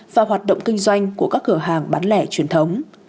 và hoạt động kinh doanh của các cửa hàng bán lẻ truyền thống